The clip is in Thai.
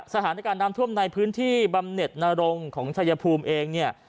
สถานการณ์น้ำท่วมในพื้นที่บำเน็ตนรงของชายภูมิเองเนี่ย